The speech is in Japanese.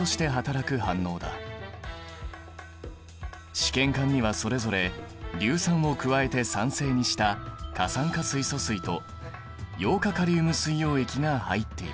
試験管にはそれぞれ硫酸を加えて酸性にした過酸化水素水とヨウ化カリウム水溶液が入っている。